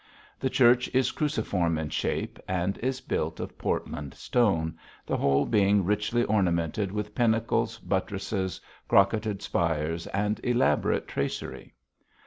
The church is cruciform in shape, and is built of Portland stone, the whole being richly ornamented with pinnacles, buttresses, crocketted spires and elaborate tracery.